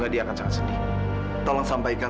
terima kasih ya sayang